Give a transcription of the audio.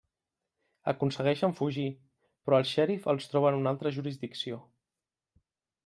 Aconsegueixen fugir, però el xèrif els troba en una altra jurisdicció.